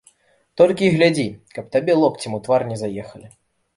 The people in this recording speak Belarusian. Толькі і глядзі, каб табе локцем ў твар не заехалі.